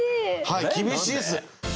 はい厳しいです。